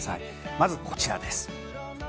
まずこちらです。